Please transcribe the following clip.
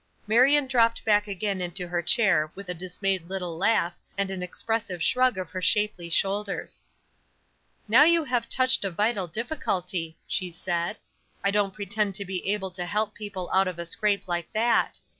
Marion dropped back again into her chair with a dismayed little laugh and an expressive shrug of her shapely shoulders. "Now you have touched a vital difficulty," she said. "I don't pretend to be able to help people out of a scrape like that.